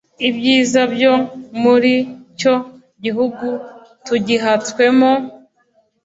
ibyiza byo muri cyo gihugu tugihatswemo